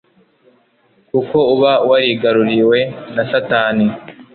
kuko uba warigaruriwe na Satani.